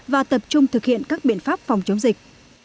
và tập trung thực hiện các biện pháp phòng chống dịch